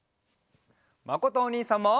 まことおにいさんも！